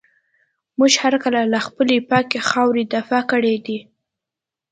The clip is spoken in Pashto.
موږ هر کله له خپلي پاکي خاوري دفاع کړې ده.